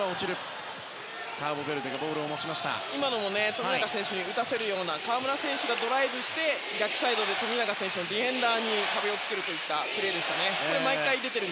富永選手に打たせるような河村選手がドライブして逆サイドで富永選手のディフェンダーに壁を作るというプレーでしたね。